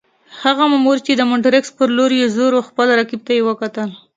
هغه مامور چې د مونټریکس پر لور یې زور وو، خپل رقیب ته وکتل.